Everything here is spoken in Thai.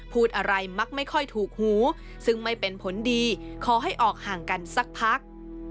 พูดอะไรมักไม่ค่อยถูกหูซึ่งไม่เป็นผลดีขอให้ออกห่างกันสักพัก